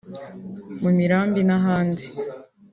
mu mirambi n’ahandi)